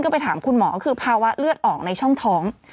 ไปถามคุณหมอคือภาวะเลือดออกในช่องท้อง